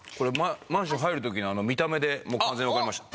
マンション入る時に見た目でもう完全にわかりました。